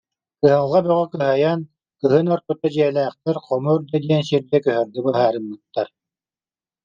Кыһалҕа бөҕө кыһайан, кыһын ортото дьиэлээхтэр Хомо үрдэ диэн сиргэ көһөргө быһаарыммыттар